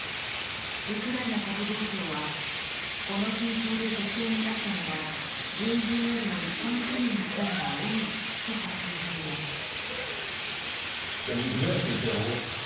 ウクライナ国防相はこの戦争で犠牲になったのは軍人よりも一般市民のほうが多いと発表しています。